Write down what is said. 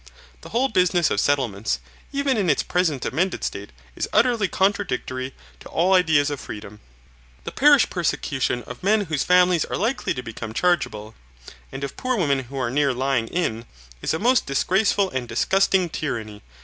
The whole business of settlements, even in its present amended state, is utterly contradictory to all ideas of freedom. The parish persecution of men whose families are likely to become chargeable, and of poor women who are near lying in, is a most disgraceful and disgusting tyranny.